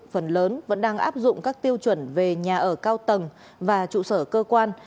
phần lớn vẫn đang áp dụng các tiêu chuẩn về nhà ở cao tầng và trụ sở cơ quan